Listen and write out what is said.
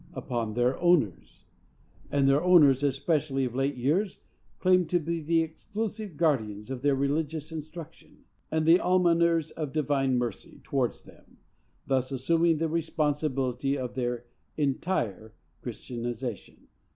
Upon their owners. And their owners, especially of late years, claim to be the exclusive guardians of their religious instruction, and the almoners of divine mercy towards them, thus assuming the responsibility of their entire Christianization!